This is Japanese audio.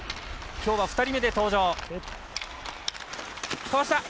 きょうは２人目で登場。